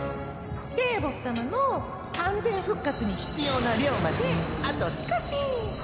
デーボス様の完全復活に必要な量まであと少し！